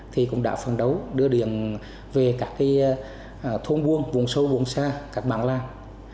thì cũng đã phản đấu đưa điện về các thôn buôn vùng sâu vùng xa các bảng làng